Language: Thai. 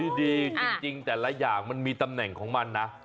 ดีจริงแต่ละอย่างมันมีตำแหน่งของมันนะ